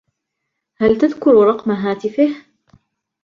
هل تذكر رقم هاتفه ؟